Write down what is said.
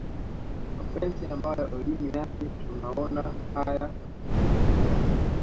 mapenzi ambayo elimu yake tunaona haya kuitowa